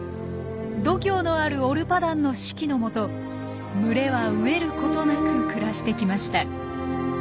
度胸のあるオルパダンの指揮の下群れは飢えることなく暮らしてきました。